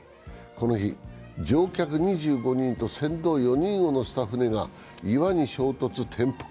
この日、乗客２５人と船頭４人を乗せた舟が岩に衝突し、転覆。